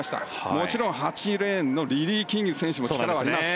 もちろん８レーンのリリー・キング選手も力はあります。